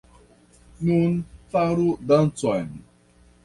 Nun, faru dancon.